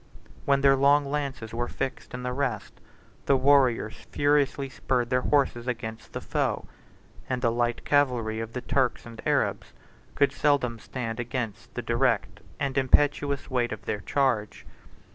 When their long lances were fixed in the rest, the warriors furiously spurred their horses against the foe; and the light cavalry of the Turks and Arabs could seldom stand against the direct and impetuous weight of their charge.